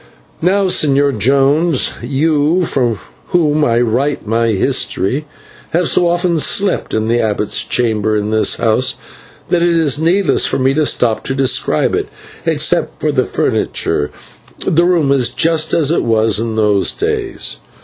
Now, Señor Jones, you, for whom I write my history, have so often slept in the abbot's chamber in this house that it is needless for me to stop to describe it. Except for the furniture, the room is just as it was in those days.